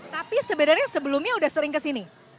tapi sebenarnya sebelumnya udah sering kesini